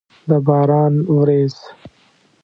د باران ورېځ!